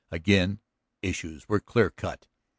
Again issues were clear cut.